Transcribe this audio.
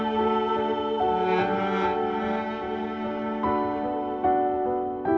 untuk berhenti meditasi